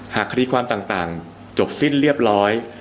หากคดีความต่างจบสิ้นเรียบร้อย